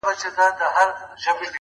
چي د کڼو غوږونه وپاڅوي،